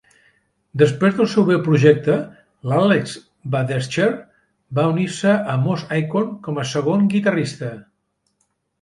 Després del seu breu projecte l'Alex Badertscher va unir-se a Moss Icon com a segon guitarrista.